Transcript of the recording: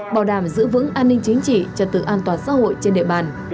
bảo đảm giữ vững an ninh chính trị trật tự an toàn xã hội trên địa bàn